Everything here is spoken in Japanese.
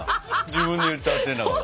自分で言っちゃってんだから。